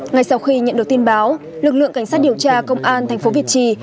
ngay sau khi nhận được tin báo lực lượng cảnh sát điều tra công an thành phố việt trì